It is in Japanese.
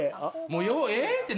もうええって。